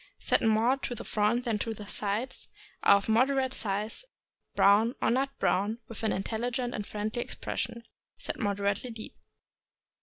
— Set more to the front than to the sides; are of moderate size, brown or nut brown, with an intelligent and friendly expression; set moderately deep.